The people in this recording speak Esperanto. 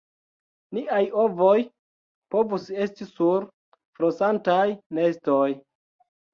"Niaj ovoj povus esti sur flosantaj nestoj!"